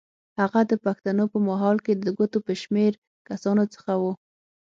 هغه د پښتنو په ماحول کې د ګوتو په شمېر کسانو څخه و.